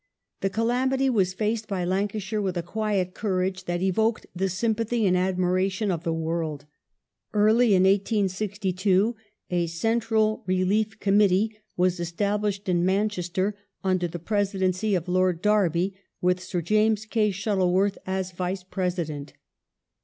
The calamity was faced by Lancashire with a quiet courage that evoked the sympathy and admiration of the world. Early in 1862 a Central Relief Committee was established in Manchester under the Presidency of Lord Derby, with Sir James Kay Shuttle worth as Vice President.